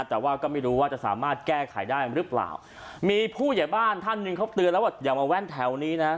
แต่ว่าก็ไม่รู้ว่าจะสามารถแก้ไขได้หรือเปล่ามีผู้ใหญ่บ้านท่านหนึ่งเขาเตือนแล้วว่าอย่ามาแว่นแถวนี้นะ